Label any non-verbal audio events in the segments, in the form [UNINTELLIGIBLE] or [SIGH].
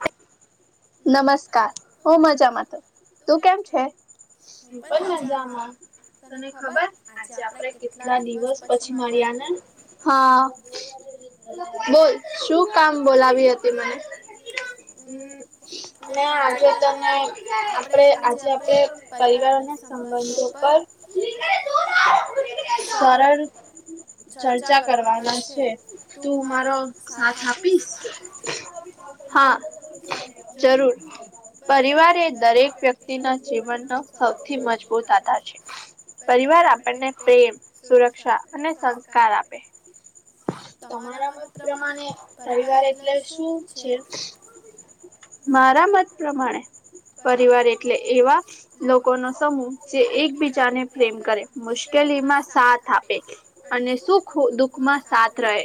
કે નમસ્કાર હું મજામાં તું કેમ છે કોઈ જામાં તને ખબર આજે આપડે કેટલા દિવસ પછી મળ્યા ને હા બોલ શું કામ બોલાવી હતી મને એ હ ને આજે તને આપણેે આજે આપણે પરિવાર અને સંબંધો પર સરળ ચર્ચા કરવાના છે તું મારો સાથ આપીશ હા જરૂર પરિવારે એ દરેક વ્યક્તિ ના જીવનનો સૌથી મજબૂત આધાર હ પરિવાર આપણને પ્રેમ સુરક્ષા અને સંસ્કાર આપે તમારા મ પ્રમાણે પરિવાર એટલે શું છે મારા મત પ્રમાણે પરિવાર એટલે એવા લોકો નો સમૂહ જે એકબીજાને પ્રેમ કરે મુશ્કેલીમાં સાથ આપે અને સુખ દુઃખમાં સાથ રહે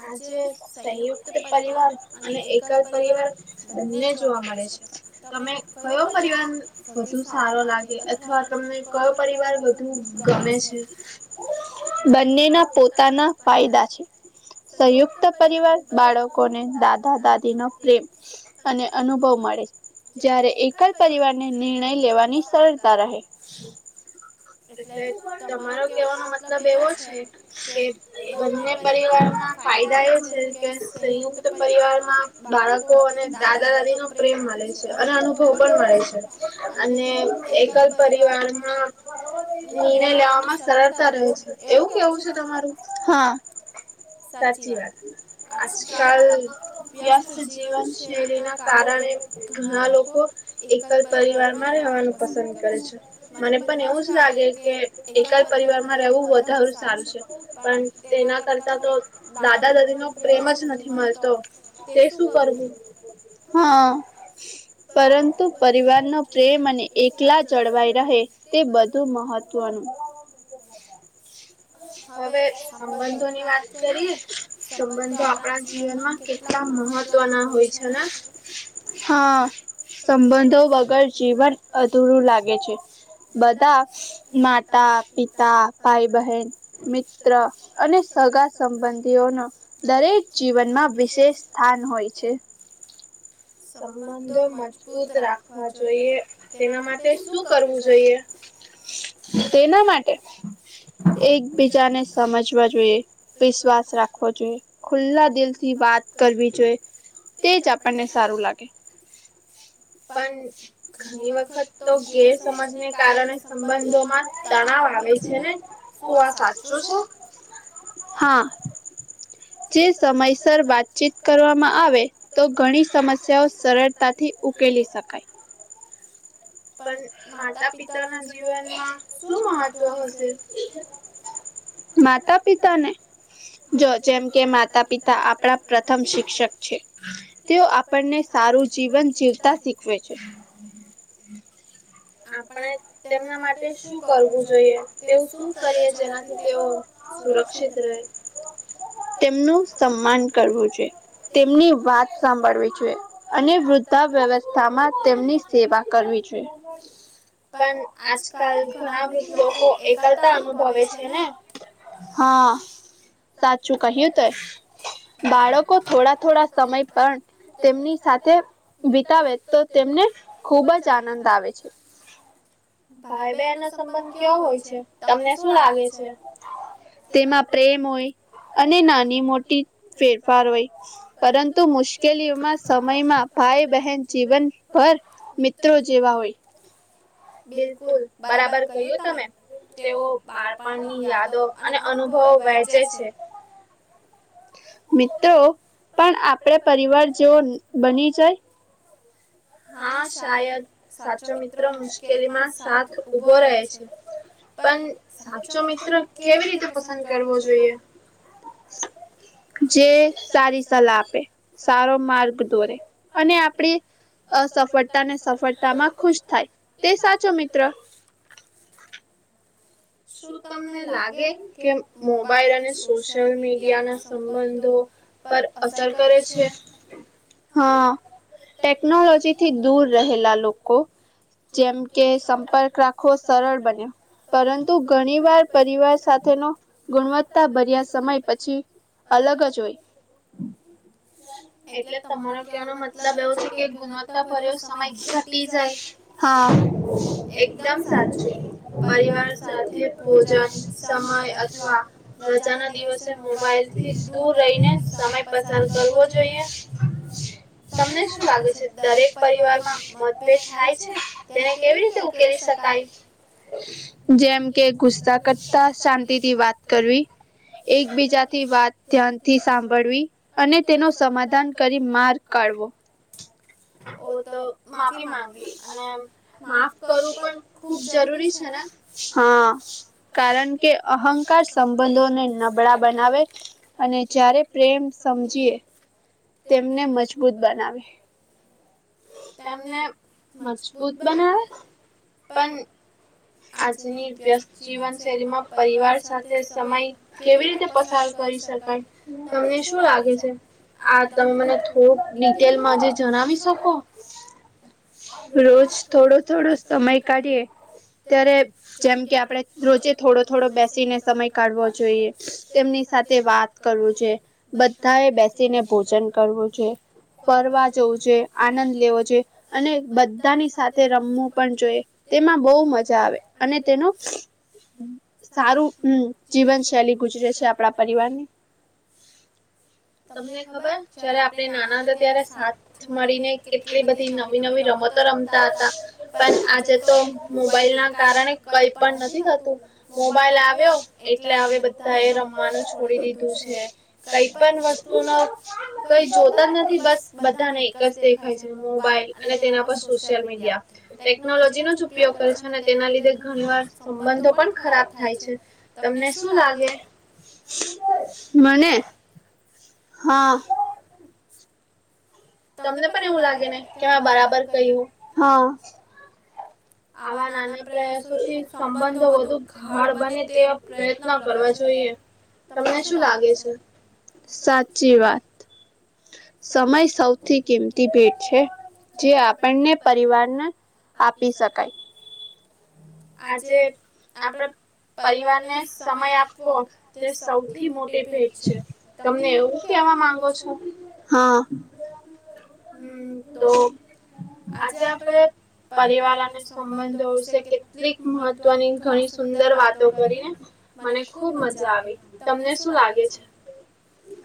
આજે સંયુક્ત પરિવાર અને એકલ પરિવાર બંને જોવા મળે છે તમે કયો પરિવાર વધુ સારો લાગે અથવા તમને કયો પરિવાર વધુ ગમે બંનેના પોતાના ફાયદા છે સંયુક્ત પરિવાર બાળકોને દાદા દાદી નો પ્રેમ અને અનુભવ મળે જય્યારે એક જ પરિવારને નિર્ણય લેવાની સરળતા રહે એટલે તમારો કેવાનો મતલબ એવો છે કે બંને પરિવાર ફાયદા એ છે, કે સંયુક્ત પરિવારમાં બાળકો અને દાદા દાદી ન પ્રેમ મળે છે અને અનુભવ પણ મળે છે, અને એક જ પરિવારમાં નિર્ણય લેવામાં સરળતા રહ્યો છે, એવું કેવું છે તમારું [UNINTELLIGIBLE] સાચી વાત આજકાલ વ્યસ્ત જીવનશૈલી ના કારણે ઘણા લોકો એક જ પરિવાર માં રહેવાનું પસંદ કરે છે. મને પણ એવું જ લાગે કે એકલ પરિવારમાં રહેવું વધારું સારું છે પણ તેના કરતાં તો દાદા દાદી નો પ્રેમ જ નથી મળતો તે શું કરવું? હા પરંતુ પરિવારનો પ્રેમ અને એકલા જળવાઈ રહે, તે બધું મહત્વ વનું [UNINTELLIGIBLE] હવે સંબંધોની વાત કરીએ સંબંધો આપણા જીવનમાં કેટલા મહત્વના હોય છે ને, હા, સંબંધો વગર જીવન અધૂરું લાગે છે. બધા માતા પિતા ભાઈ-બહેન મિત્ર અને સગા સંબંધીઓનો દરેક જીવનમાં વિશેષ સ્થાન હોય છે, [INAUDIBLE] સંબંધો મજબૂત રાખવા જોઈએ તેના માટે શું કરવું જોઈએ? તેના માટે એકબીજાને સમજવા જોઈએ, વિશ્વાસ રાખવો જોઈએ, ખુલ્લા દિલથી વાત કરવી જોઈએ, તે જ આપણને સારું લાગે. [INAUDIBLE] પણ ઘણી વખત તો ગેરસમજને કારણે સંબંધોમાં તણાવ આવે છે ને શું આ સાચું છે? હા જે સમયસર વાતચીત કરવામાં આવે તો ઘણી સમસ્યાઓ સરળતાથી ઉ ઉકેલી શકાય, પણ માતા પિતાના જીવનમાં શું મહત્વ હશે? માતા પિતા ને જો જેમ કે માતા પિતા આપણા પ્રથમ શિક્ષક છે. તેઓ આપણને સારું જીવન જીવતા શીખવે છે. આપણે તેમના માટે શું કરવું જોઈએ? તેવું શું કરીએ જેનાથી તેઓ સુરક્ષિત રહે. તેમનું સન્માન કરવું છે તેમની વાત સાંભળવી છે, અને વૃદ્ધા વ્યવસ્થામાં તેમની સેવા કરવી જોઈએ. પણ આજકાલ ઘણા બધા લોકો એકલતા અનુભવે છે ને, હા, સાચું કહ્યું તો બાળકો થોડા થોડા સમય પણ તેમની સાથે વિતાવે તો તેમને ખુબ જ આનંદ આવે છે. ભાઈ-બહેનનો સંબંધ કેવો હોય છે? તમને શું લાગે છે? તેમાં પ્રેમ હોય અને નાની મોટી ફેરફાર હોય. પરંતુ મુશ્કેલીમાં સમયમાં ભાઈ બહેન જીવનભર મિત્રો જેવા હોય. [INAUDIBLE] બિલકુલ બરાબર કહયુ તમે તેઓ બાળપણ ની યાદો અને અનુભવો વહેંચે છે. મિત્રો પણ આપડે પરિવાર જેવો બની જાય. હા, શાયદ સાચો મિત્ર મુશ્કેલીમાં સાથ ઉભો રહે છે. પણ સાચો મિત્ર કેવી રીતે પસંદ કરવો જોઈએ? [INAUDIBLE] જે સારી સલાહ આપે, સારો માર્ગ દોરે, અને આપડી અસફળતા ને સફળતામાં ખુશ થાય તે સાચો મિત્ર. શું તમને લાગે, કે મોબાઈલ અને સોશિયલ મીડિયા ના સંબંધો પર અસર કરે છે, હા ટેકનોલોજી થી દૂર રહેલા લોકો જેમ કે સંપર્ક રાખવો સરળ બન્યો, પરંતુ તો ઘણી વાર પરિવાર સાથેનો ગુણવત્તા ભર્યા સમય પછી અલગ જ હોય, [INAUDIBLE] એટલે તમારો કેવાનો મતલબ એવો છે કે ગુણવત્તા ભર્યો સમય ઘટી જાય. હા એકદમ સાચું પરિવાર સાથે ભોજન, સમય, અથવા રજા ના દિવસે મોબાઈલ થી દૂર રહીને સમય પસાર કરવો જોઈએ? તમને શું લાગે છે, દરેક પરિવારમાં મતભેદ થાય છે, તેને કેવી રીતે ઉકેલી શકાય? જેમ કે ગુસ્સા કરતા શાંતિથી વાત કરવી. એકબીજાથી વાત ધ્યાનથી સાંભળવી, અને તેનો સમાધાન કરી માર્ગ કાઢવો. ઓ તો માફી માંગવી અને માફ કરવું પણ ખુબ જરૂરી છે ને? હા, કારણ કે અહંકાર સંબંધોને નબળા બનાવે અને જ્યારે પ્રેમ સમજીએ [INAUDIBLE] તેમને મજબૂત બનાવે તેમને મજબૂત બનાવે? પણ આજની વ્યસ્ત જીવન શૈલી માં પરિવાર સાથે સમય કેવી રીતે પસાર કરી શકાય? તમને શું લાગે છે. આ તમે મને થોક ડિટેલમાંજ જણાવી શકો? રોજ થોડો થોડો સમય કાઢીએ ત્યારે જેમ કે આપડે રોજે થોડો થોડો બેસીને સમય કાઢવો જોઈએ. તેમની સાથે વાત કરવું છે, બધા એ બેસીને ભોજન કરવું છે. ફરવા જવું જોયે, આનંદ લેવો જોયે, અને બધાની સાથે રમવું પણ જોયે. તેમાં બહુ મજા આવે અને તેનો હમ્મ સારું હમ્મ જીવન શૈલી ગુજરે છે આપણા પરિવાર ની. [INAUDIBLE] તમને ખબર જયારે આપણે નાના હતા ત્યારે સાથ મળીને કેટલી બધી ન નવી નવી રમતો રમતા હતા, પણ આજેતો મો બાઈલ ના કારણે કઈ પણ નથી થતું, મોબાઈલ આવ્યો એટલે હવે બધ ધાએ રમવાનું છોડી દીધું છે, કઈ પણ વસ્તુ ન કઈ જોતા જ નથી બસ બધાને એક જ દેખાય છે, મોબાઈલ અને તેના પર સોશિયલ મીડિયા, ટેકનોલોજીનોજ ઉપયોગ અને તેના લીધે ઘણી વાર સંબંધો પણ ખરાબ થાય છે, તમને શું લાગે? મને હા તમને પણ એવું લાગે ને, કે બરાબર કહ્યું. હા આવા નાના પ્રયાસોથી સંબંધો વધુ ધાળ બને તે પ્રયત્નો કરવા જોઈએ, તમને શું લાગે છે? સાચી વાત, સમય સૌથી કિંમતી ભેટ છે. જે આપણને પરિવારને આપી શકાય. [INAUDIBLE] આજે આપણા પરિવારને સમય આપવો તે સૌથી મોટી ભેટ છે. તમને એવું કેવા માંગો છો? હા હમ્મ તો આજે આપડે પરિવાર અને સંબંધો વિશે કે ટલીક મહત્વની ઘણી સુંદર વાતો કરીને મને ખુબ મજા આવી. તમને શું લાગે છે?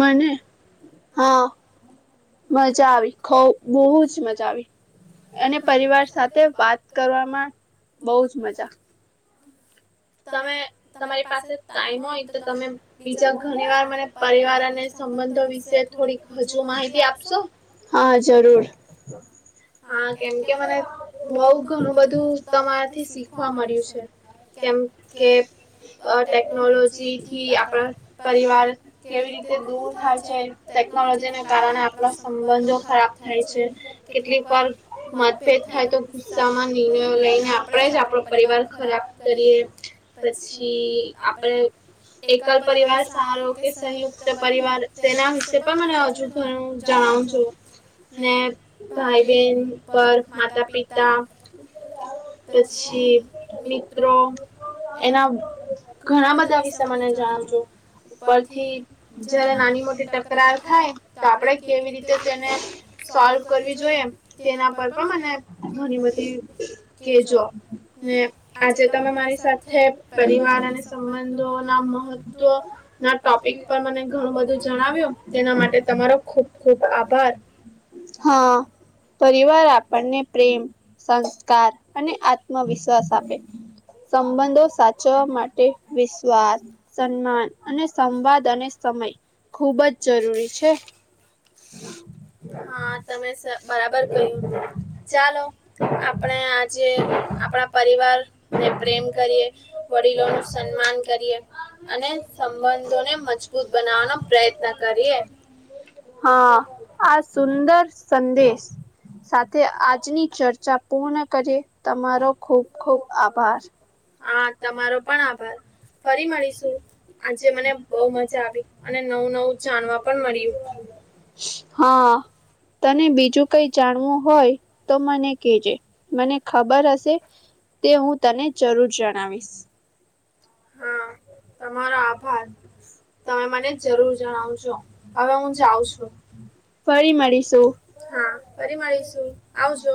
મને હા મજા આવી ખો બહુ જ મજા આવી. અને પરિવાર સાથે વાત કરવામાં બહુજ મજા તમે તમારી પાસે ટાઈમ હોય તો તમે બીજા ઘણી વાર મને પરિવાર અને સંબંધો વિશે થોડીક હજુ માહિતી આપ હા જરૂર હા કેમકે મને બહું ઘણું બધું તમારાથી શીખવા મળ્યું છે. કેમ કે અ ટેકનોલોજી થી આપણા પરિવાર કેવી રીતે દૂર થાય છે ટેકનોલોજીને કારણે આપ તલા સંબંધો ખરાબ થાય છે કેટલીક વાર મતભેદ થાય તો ગુસ્સામાં નિર્ણયો લઈ ને આપડે જ આપડો પરિવાર ખરાબ કરીએ પછી આપણે એકલ પરિવાર સારો કે સંયુક્ત પરિવાર તેના વિશે પણ મને હજુ ઘન જણાવ છું ને ભાઈ બહેન પર માતા પિતા પછી મિત્રો એના ઘણા બધા વિશે મને જાણવજો ઉપરથી જયારે નાની મોટી તકરાર થાય તો આપણેે કેવી રીતે તેને સોલ્વ કરવી જોઈએ એ તેના પર પણ મને ઘણી બધી કે જો ને આજે તમે મારી સાથે પરિવાર અને સંબંધો ના મહત્વ ના ટોપિક પર મને ઘણું બધું જણાવ્યું તેના માટે તમારો ખુબ ખુબ આભાર. હા પરિવાર આપણને પ્રેમ સંસ્કાર અને આત્મવિશ્વાસ આપે હમ સંબંધો સાચવવા માટે વિશ્વાસ સન્માન અને સંવાદ અને સમય ખુબ જ જરૂરી છે. હા તમે સ બરાબર કહ્યું ચાલો આપણે આજ જે આપણા પરિવાર ને પ્રેમ કરીએ વડીલો નું સન્માન કરીએ અને સંબંધો ને મજ તો બનાવાનો પ્રયત્ન કરીએ હા આ સુંદર સંદેશ સાથે આજની ચર્ચા પૂર્ણ કરીએ તમારો ખુબ ખુબ આભાર. હા તમારો પણ આભાર. ફરી મળીશું આજે મને બહું મજા આવી અને નવું નવું જાણવા પણ મળ્યું. હા તને બીજું કઈ જાણવું હોય તો મને કેજે. મને ખબર હશે તે હું તને જરૂર જણાવીશ. હા તમારો આભાર. તમે મને જરૂર જણાવ જો હવે હું જાઉં છું. ફરી મળીશું હા ફરી મળીશું આવજો.